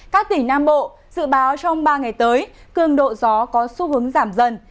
các tỉnh nam bộ dự báo trong ba ngày tới cường độ gió có xu hướng giảm dần